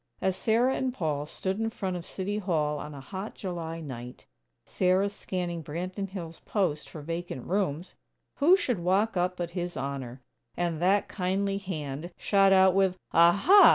As Sarah and Paul stood in front of City Hall on a hot July night, Sarah scanning Branton Hills' "Post" for "vacant rooms," who should walk up but His Honor! And that kindly hand shot out with: "Aha!